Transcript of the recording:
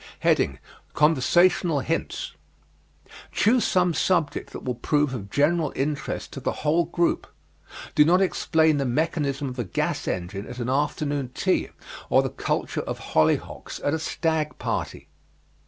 Conversational Hints Choose some subject that will prove of general interest to the whole group. Do not explain the mechanism of a gas engine at an afternoon tea or the culture of hollyhocks at a stag party.